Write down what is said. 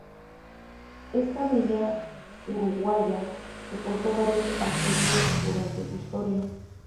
Esta villa uruguaya soportó varios asedios durante su historia.